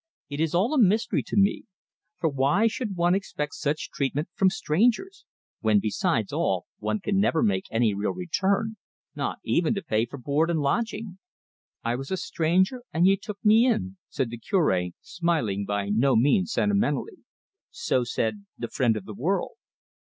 "It is all a mystery to me. For why should one expect such treatment from strangers, when, besides all, one can never make any real return, not even to pay for board and lodging!" "'I was a stranger and ye took me in,"' said the Cure, smiling by no means sentimentally. "So said the Friend of the World."